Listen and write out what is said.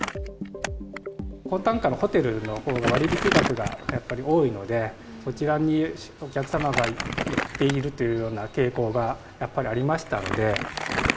高単価のホテルのほうが、割引額がやっぱり多いので、そちらにお客様が行っているというような傾向がやっぱりありまし